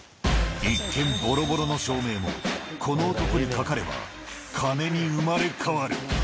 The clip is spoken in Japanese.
一見ぼろぼろの照明も、この男にかかれば、金に生まれ変わる。